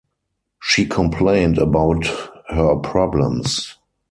She complained about her problems.